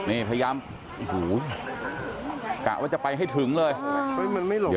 นี่ชาวบ้านบอกจราเคน่ะ